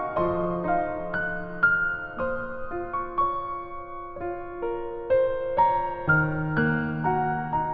lihat bu sarah gak